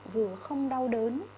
vừa không đau đớn